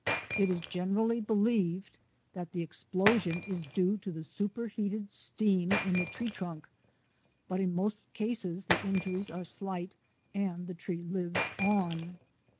It is generally believed that the explosion is due to the superheated steam in the tree trunk. But in most cases the injuries are slight and the tree lives on.